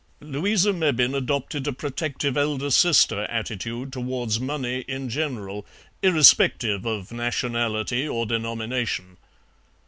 Louisa Mebbin adopted a protective elder sister attitude towards money in general, irrespective of nationality or denomination.